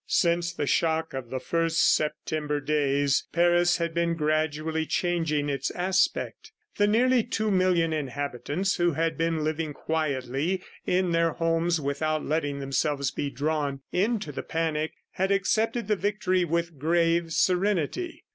Since the shock of the first September days, Paris had been gradually changing its aspect. The nearly two million inhabitants who had been living quietly in their homes without letting themselves be drawn into the panic, had accepted the victory with grave serenity.